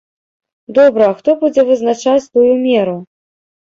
Добра, а хто будзе вызначаць тую меру?